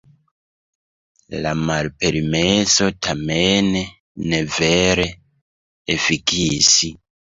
La malpermeso tamen ne vere efikis.